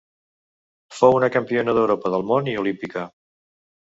Fou una campiona d'Europa, del món i olímpica.